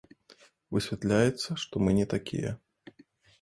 Высвятляецца, што мы не такія.